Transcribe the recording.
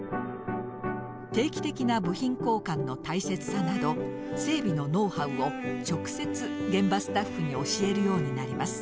定期的な部品交換の大切さなど整備のノウハウを直接現場スタッフに教えるようになります。